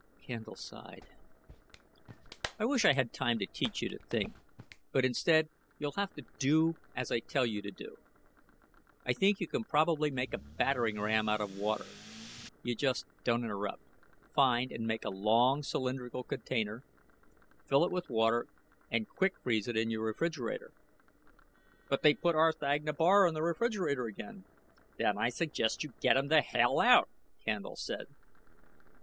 Candle sighed. "I wish I had time to teach you to think, but instead, you'll have to do as I tell you to do. I think you can probably make a battering ram out of water. You just don't interrupt find or make a long cylindrical container, fill it with water and quick freeze it in your refrigerator " "But they put R'thagna Bar in the refrigerator again " "Then I suggest you get him the hell out," Candle said.